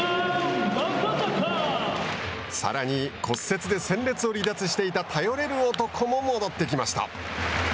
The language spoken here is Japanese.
さらに骨折で戦列を離脱していた頼れる男も戻ってきました。